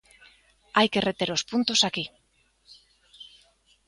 Hai que reter os puntos aquí.